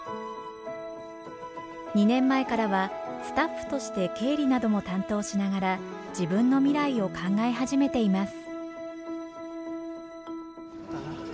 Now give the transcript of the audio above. ２年前からはスタッフとして経理なども担当しながら自分の未来を考え始めています。